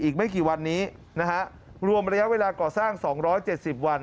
อีกไม่กี่วันนี้นะฮะรวมระยะเวลาก่อสร้าง๒๗๐วัน